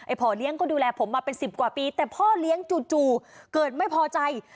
พ่อเลี้ยงก็ดูแลผมมาเป็นสิบกว่าปีแต่พ่อเลี้ยงจู่เกิดไม่พอใจ